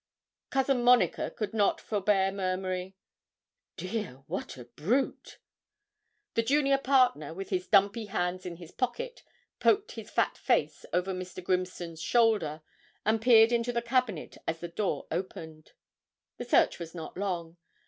Cousin Monica could not forbear murmuring 'Dear! what a brute!' The junior partner, with his dumpy hands in his pocket, poked his fat face over Mr. Grimston's shoulder, and peered into the cabinet as the door opened. The search was not long.